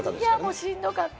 しんどかった？